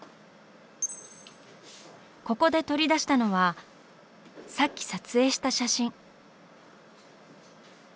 ここで取り出したのはさっき撮影した写真。